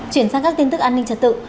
chuyển sang các tin tức an ninh trật tự